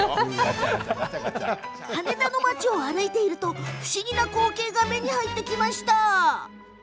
羽田の町を歩いていると不思議な光景が目に入ってきました。